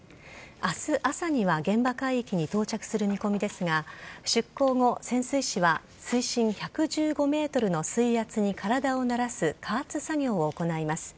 明日朝には現場海域に到着する見込みですが出港後、潜水士は水深１１５ｍの水圧に体を慣らす加圧作業を行います。